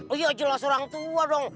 oh iya jelas orang tua dong